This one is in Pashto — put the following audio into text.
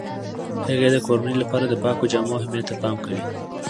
هغې د کورنۍ لپاره د پاکو جامو اهمیت ته پام کوي.